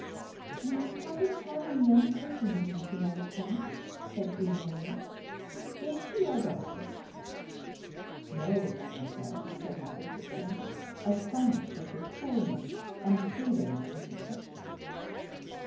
"You have a charming young person with you tonight, count," said Eugénie. "Is she your daughter?" "No, mademoiselle," said Monte Cristo, astonished at the coolness and freedom of the question.